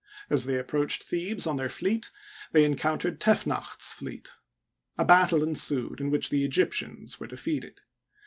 As they approached Thebes on their fleet, they encountered Tefnacht's fleet. A battle ensued, in which the Egyptians were defeated.